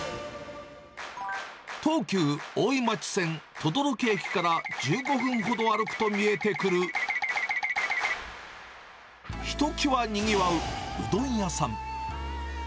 東急大井町線等々力駅から１５分ほど歩くと見えてくる、ひときわにぎわううどん屋さん。